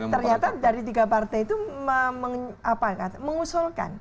ternyata dari tiga partai itu mengusulkan